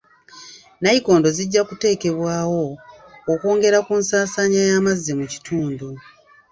Nnayikondo zijja kuteekebwawo okwongera ku nsaasaanya y'amazzi mu kitundu.